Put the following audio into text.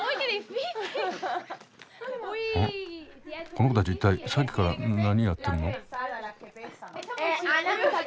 この子たち一体さっきから何やってるの？